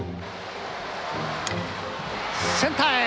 センターへ！